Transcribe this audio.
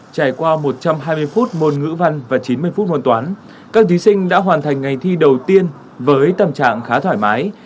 trải qua một trăm hai mươi phút môn ngữ văn và chín mươi phút môn toán các thí sinh đã hoàn thành ngày thi đầu tiên với tầm trạng khá thoải mái